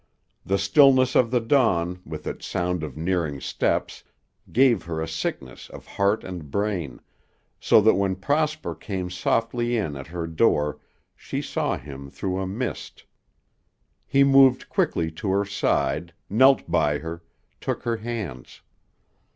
The stillness of the dawn, with its sound of nearing steps, gave her a sickness of heart and brain, so that when Prosper came softly in at her door she saw him through a mist. He moved quickly to her side, knelt by her, took her hands.